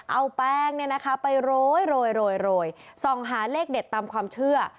เอาแป้งไปโรยส่องหาเลขเด็ดตามความเชื่อ